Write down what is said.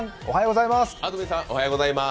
おはようございます。